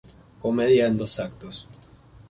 Comedia en dos actos".